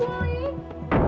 kalau dia kecuali